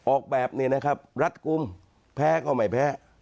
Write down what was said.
ออกแบบนี้นะครับรัดกลุ่มแพ้ก็ไม่แพ้